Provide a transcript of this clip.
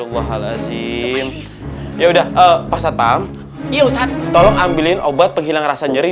quazism yauda batam yusset tolong ambilin obat penghilang rasa nyeri